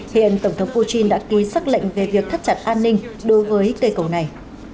hiện tổng thống putin đã ký xác lệnh về việc thắt chặt an ninh đối với cây cầu này